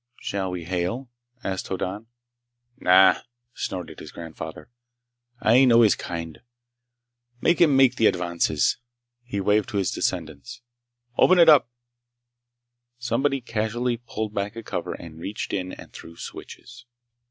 "Shall we hail?" asked Hoddan. "Nah!" snorted his grandfather. "I know his kind! Make him make the advances." He waved to his descendents. "Open it up." Somebody casually pulled back a cover and reached in and threw switches.